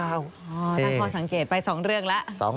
ถ้าคนสังเกตไป๒เรื่องแล้ว